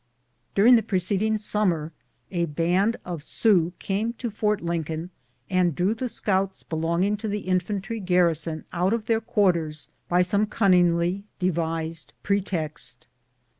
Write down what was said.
During the preceding sum mer a band of Sioux came to Fort Lincoln, and drew the scouts belonging to the infantry garrison out of their quarters by some cunningly devised pretext.